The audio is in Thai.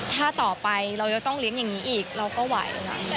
ถ้าต่อไปเราจะต้องเลี้ยงอย่างนี้อีกเราก็ไหว